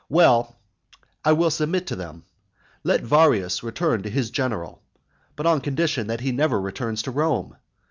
Well, I will submit to them. Let Varius return to his general, but on condition that he never returns to Rome.